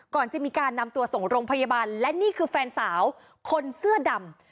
ก่อนจะมีการนำตัวส่งโรงพยาบาลและนี่คือแฟนสาวคนเสื้อดำ